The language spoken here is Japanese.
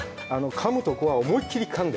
かむところは思い切りかんで。